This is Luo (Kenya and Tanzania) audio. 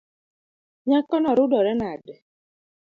Nyakono rudore nade.